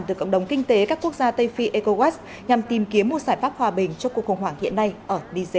từ cộng đồng kinh tế các quốc gia tây phi ecowas nhằm tìm kiếm một giải pháp hòa bình cho cuộc khủng hoảng hiện nay ở niger